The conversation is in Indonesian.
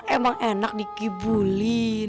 emang enak dikibulin